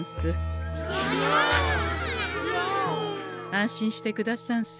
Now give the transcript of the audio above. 安心してくださんせ。